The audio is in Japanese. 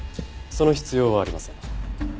その必要はありません。